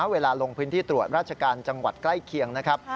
ลงพื้นที่ตรวจราชการจังหวัดใกล้เคียงนะครับ